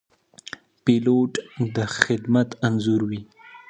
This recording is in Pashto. پیلوټ د خدمت انځور وي.